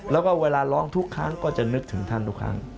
แล้วก็เวลาร้องทุกครั้งก็จะนึกถึงท่านทุกครั้ง